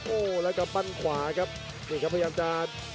โอ้โหแล้วกำปั้นขวาครับนี่ครับพยายามจะ